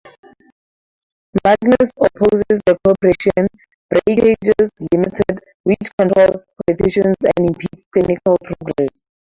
Magnus opposes the corporation "Breakages, Limited", which controls politicians and impedes technical progress.